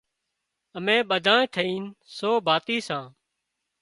اَمين ٻڌانئين ٿئينَ سو ڀاتِي سان۔